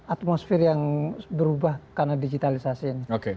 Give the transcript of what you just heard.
atmosfer yang berubah karena digitalisasi ini